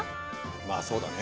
まあそうだね。